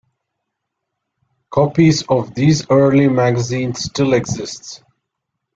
Copies of these early magazine still exists.